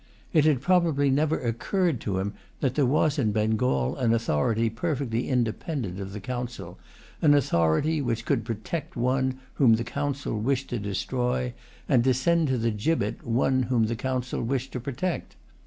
It had probably never occurred to him that there was in Bengal an authority perfectly independent of the Council, an authority which could protect one whom the Council wished to destroy, and send to the gibbet one whom the Council wished to protect.